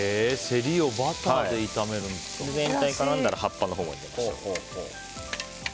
これで全体に絡んだら葉っぱのほうを入れましょう。